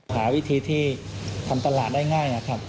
หาวิธีที่ทำตลาดได้ง่ายครับ